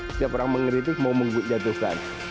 tiap orang mengeritik mau menggugat jatuhkan